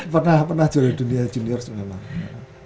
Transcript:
pernah pernah juara dunia junior sebenarnya mas